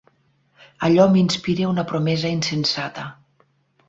Allò m'inspira una promesa insensata.